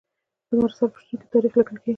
د مرسل په شتون کې تاریخ لیکل کیږي.